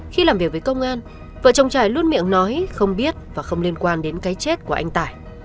khi làm việc với công an vợ chồng trải luôn miệng nói không biết và không liên quan đến cái chết của anh tài